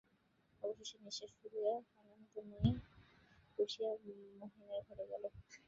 অবশেষে নিশ্বাস ফেলিয়া আনন্দময়ী উঠিয়া মহিমের ঘরে গেলেন।